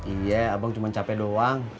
iya abang cuma capek doang